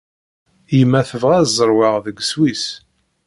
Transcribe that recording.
Yemma tebɣa ad zerweɣ deg Sswis.